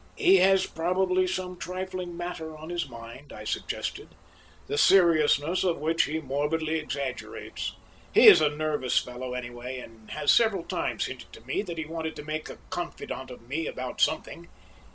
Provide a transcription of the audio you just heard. "He has probably some trifling matter on his mind," I suggested, "the seriousness of which he morbidly exaggerates. He is a nervous fellow anyhow, and has several times hinted to me that he wanted to make a confidant of me about something.